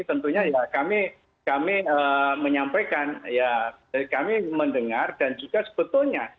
tentunya kami menyampaikan kami mendengar dan juga sebetulnya